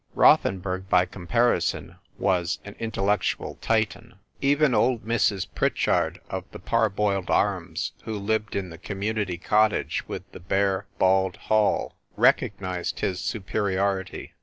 Rothenburg by comparison was an intellectual Titan. Even old Mrs. Pritchard, of the parboiled arms, who lived in the Community cottage with the bare, bald hall, recognised his superiority.